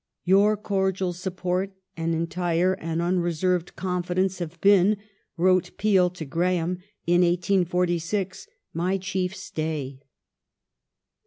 " Your cordial support and entire and unreserved con fidence have been," wrote Peel to Graham in 1846, " my chief stay."